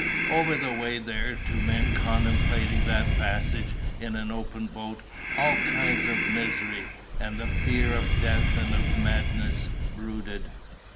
Over the way there, to men contemplating that passage in an open boat, all kinds of misery, and the fear of death and of madness, brooded.